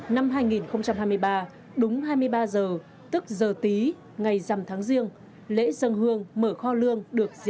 năm hai nghìn hai mươi ba đúng hai mươi ba giờ tức giờ tí ngày dằm tháng riêng lễ dân hương mở kho lương được diễn